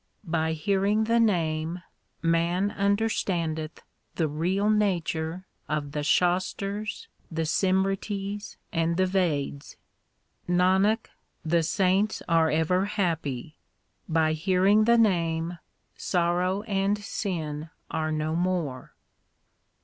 By hearing the Name man understandeth the real nature of the Shastars, the Simritis, and the Veds. Nanak, the saints are ever happy. By hearing the Name sorrow and sin are no more.